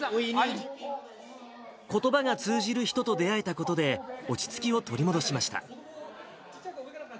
ことばが通じる人と出会えたことで落ち着きを取り戻しました。